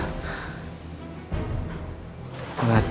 untuk hancurin saya adalah